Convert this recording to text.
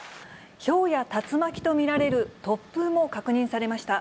ひょうや竜巻と見られる突風も確認されました。